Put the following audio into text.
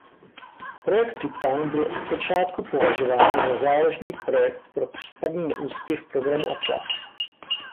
Projekt Titan byl od počátku považován za záložní projekt pro případný neúspěch programu Atlas.